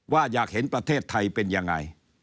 อยากเห็นประเทศไทยเป็นยังไง